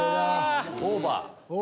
オーバー。